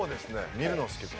見るの好きです